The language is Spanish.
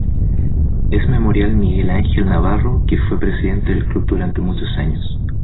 Es memorial Miguel Angel Navarro, que fue presidente del club durante muchos años.